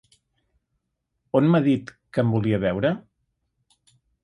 On m’ha dit que em volia veure?